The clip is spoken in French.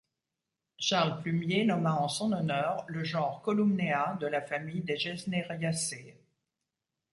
Charles Plumier nomma en son honneur le genre Columnea de la famille des Gesneriaceae.